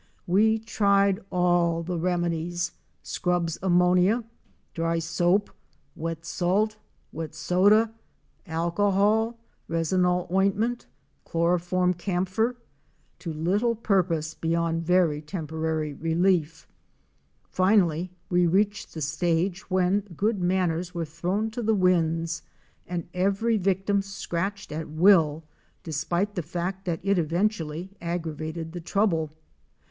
We tried all the remedies — Scrubb's ammonia, dry soap, wet salt, wet soda, alcohol, resinol ointment, chloroform camphor, — to little purpose beyond very temporary relief. Finally we reached the stage when good manners were thrown to the winds and every victim scratched at will, despite the fact that it eventually aggravated the trouble.